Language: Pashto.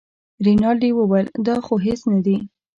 رینالډي وویل دا خو هېڅ نه دي.